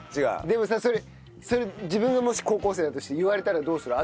でもさそれそれ自分がもし高校生だとして言われたらどうする？